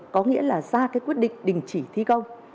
có nghĩa là ra cái quyết định đình chỉ thi công